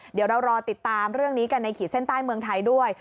เดี๋ยวเรารอติดตามเรื่องนี้กันในขีดเส้นใต้เมืองไทยด้วย